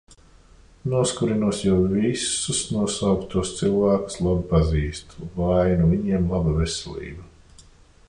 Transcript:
Noskurinos, jo visus nosauktos cilvēkus labi pazīstu. Lai nu viņiem laba veselība!